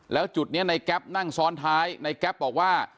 แล้วจุดนี้ในแก๊ปนั่งซ้อนท้ายในแก๊ปบอกว่า